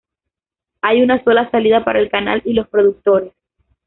Hay una sola salida para el canal y los productores.